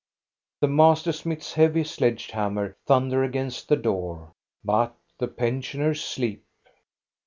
The master smith's heavy sledge hammer thunders against the door, but the pensioners sleep.